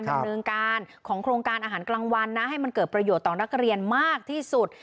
ดำเนินการของโครงการอาหารกลางวันนะให้มันเกิดประโยชน์ต่อนักเรียนมากที่สุด